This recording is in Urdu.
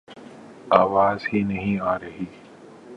آواز ہی نہیں آرہی